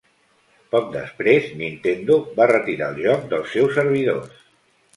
Poc després Nintendo va retirar el joc dels seus servidors.